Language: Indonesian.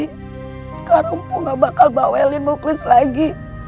sekarang ambo tidak akan membawakan muklis lagi